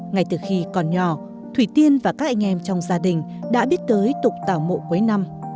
ngay từ khi còn nhỏ thủy tiên và các anh em trong gia đình đã biết tới tục tảo mộ cuối năm